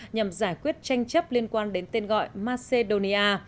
nhằm giải quyết tranh chấp liên quan đến tên gọi macedonia